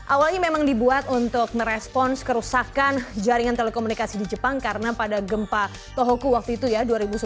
awalnya memang dibuat untuk merespons kerusakan jaringan telekomunikasi di jepang karena pada gempa tohoku waktu itu ya dua ribu sebelas